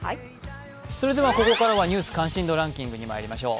ここからは「ニュース関心度ランキング」にまいりましょう。